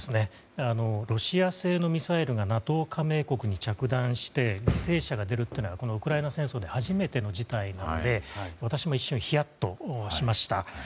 ロシア製のミサイルがＮＡＴＯ加盟国に着弾して犠牲者が出るというのはウクライナ戦争で初めての事態なので私も一瞬ヒヤッとしました。